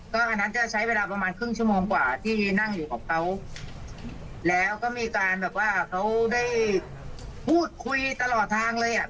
ก็อันนั้นจะใช้เวลาประมาณครึ่งชั่วโมงกว่าที่นั่งอยู่กับเขาแล้วก็มีการแบบว่าเขาได้พูดคุยตลอดทางเลยอ่ะ